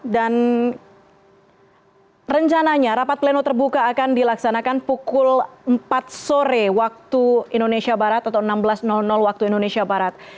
dan rencananya rapat pleno terbuka akan dilaksanakan pukul empat sore waktu indonesia barat atau enam belas waktu indonesia barat